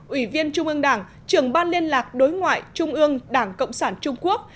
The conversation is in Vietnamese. ủy viên trung ương đảng trưởng ban liên lạc đối ngoại trung ương đảng cộng sản trung quốc